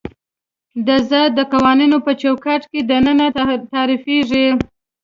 د ذات د قوانینو په چوکاټ کې دننه تعریفېږي.